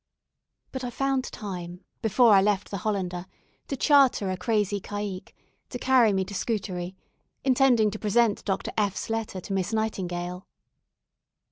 But I found time, before I left the "Hollander," to charter a crazy caicque, to carry me to Scutari, intending to present Dr. F 's letter to Miss Nightingale.